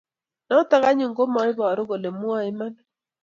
notok anyun ko maibaru kole mwae imanit